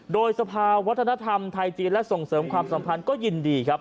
โดยสภาวัฒนธรรมไทยจีนและส่งเสริมความสัมพันธ์ก็ยินดีครับ